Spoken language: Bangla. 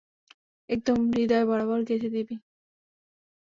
একদম হৃদয় বরাবর গেঁথে দিবি!